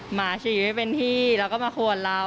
หมาฉี่ไม่เป็นที่แล้วก็มาขวนเรา